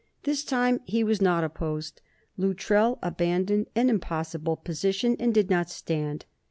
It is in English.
This time he was not opposed. Luttrell abandoned an impossible position and did not stand.